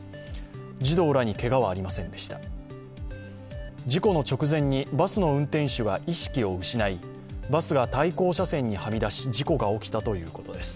児童らに、けがはありませんでした事故の直前に、バスの運転手が意識を失いバスが対向車線にはみ出し事故が起きたということです。